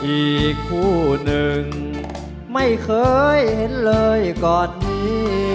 อีกคู่หนึ่งไม่เคยเห็นเลยก่อนนี้